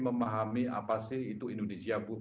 memahami apa sih itu indonesia bu